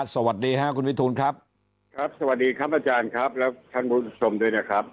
สวัสดีค่ะคุณวิทูลครับครับสวัสดีครับอาจารย์ครับและท่านผู้ชมด้วยนะครับ